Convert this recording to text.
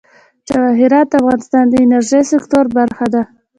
جواهرات د افغانستان د انرژۍ سکتور برخه ده.